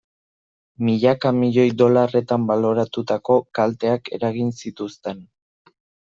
Milaka milioi dolarretan baloratutako kalteak eragin zituzten.